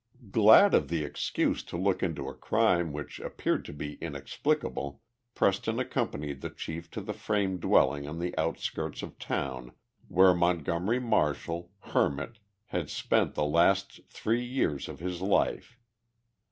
Glad of the excuse to look into a crime which appeared to be inexplicable, Preston accompanied the chief to the frame dwelling on the outskirts of town where Montgomery Marshall, hermit, had spent the last three years of his life.